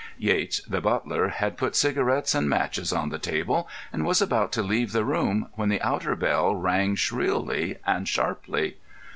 Yates, the butler, had put cigarettes and matches on the table, and was about to leave the room, when the outer bell rang shrilly and sharply.